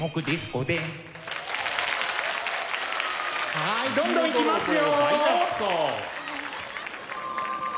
はいどんどんいきますよ。